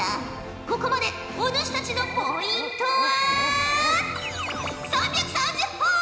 ここまでお主たちのポイントは３３０ほぉ！